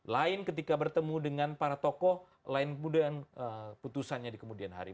lain ketika bertemu dengan para tokoh lain kemudian putusannya di kemudian hari